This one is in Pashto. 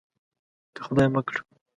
که خدای مه کړه.